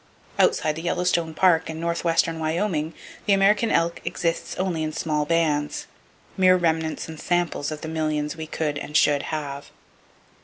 Outside the Yellowstone Park and northwestern Wyoming, the American elk exists only in small bands—mere remnants and samples of the millions we could and should have.